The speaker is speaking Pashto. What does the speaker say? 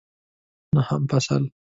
نهم فصل